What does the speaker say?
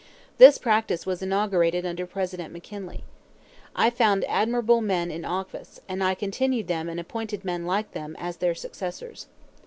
This practice was inaugurated under President McKinley. I found admirable men in office, and I continued them and appointed men like them as their successors.